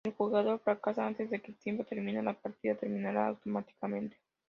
Si el jugador fracasa antes de que el tiempo termine, la partida terminará automáticamente.